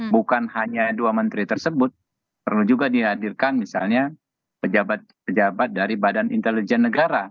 bukan hanya dua menteri tersebut perlu juga dihadirkan misalnya pejabat pejabat dari badan intelijen negara